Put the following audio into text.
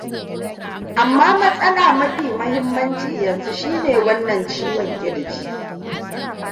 amma matsala mafi mahimmanci yanzu shine wannan ciwon kirji